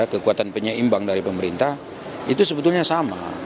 kekuatan penyeimbang dari pemerintah itu sebetulnya sama